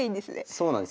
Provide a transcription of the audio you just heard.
そうなんです。